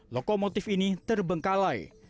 lokomotif ini terbengkalai